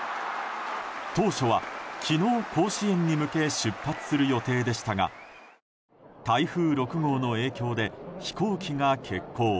当初は昨日、甲子園に向け出発する予定でしたが台風６号の影響で飛行機が欠航。